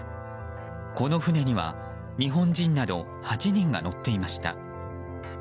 この船には、日本人など８人が乗っていました。